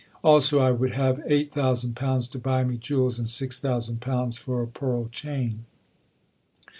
Also, I would have eight thousand pounds to buy me jewels, and six thousand pounds for a pearl chain.